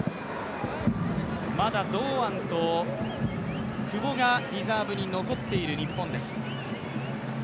まだ堂安と久保がリザーブに残っている日本です。